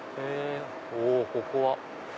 おここは？